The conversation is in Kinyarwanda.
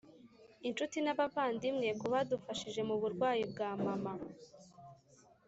Inshuti n abavandimwe ku badufashije mu burwayi bwa mama